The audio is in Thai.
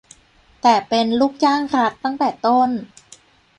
แต่เป็น "ลูกจ้างรัฐ" ตั้งแต่ต้น